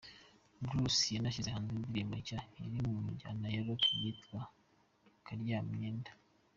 Bruce yanashyize hanze indirimbo nshya iri mu njyana ya Rock yitwa “Karyamyenda”.